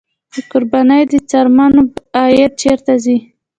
د قربانۍ د څرمنو عاید چیرته ځي؟